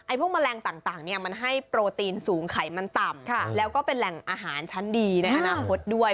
พวกแมลงต่างเนี่ยมันให้โปรตีนสูงไขมันต่ำแล้วก็เป็นแหล่งอาหารชั้นดีในอนาคตด้วย